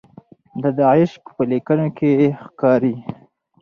د ده عشق په لیکنو کې ښکاري.